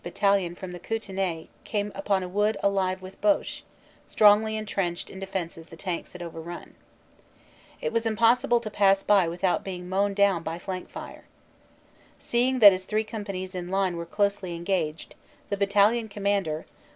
Battalion from the Kootenay came upon a wood alive with Boche, strongly entrenched in defenses the tanks had overrun. It was im possible to pass by without being mown down by flank fire. Seeing that his three companies in line were closely engaged, the battalion commander, Lt.